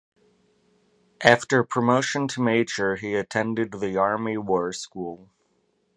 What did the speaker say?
After promotion to Major he attended the Army War School.